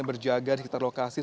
berjaga di sekitar lokasi